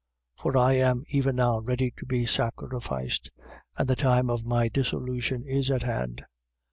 For I am even now ready to be sacrificed: and the time of my dissolution is at hand.